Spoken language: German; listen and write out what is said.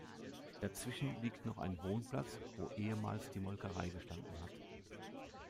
Dazwischen liegt noch ein Wohnplatz, wo ehemals die Molkerei gestanden hat.